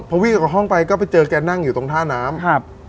พอวิ่งออกจากห้องไปก็ไปเจอแกนั่งอยู่ตรงท่าน้ำครับ